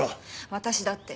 私だって。